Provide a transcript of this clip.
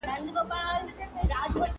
چي سزا یې په قسمت وه رسېدلې.!